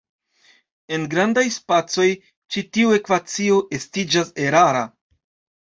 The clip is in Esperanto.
En grandaj spacoj, ĉi tiu ekvacio estiĝas erara.